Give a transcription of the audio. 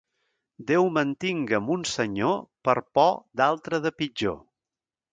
Déu mantinga mon senyor per por d'altre de pitjor.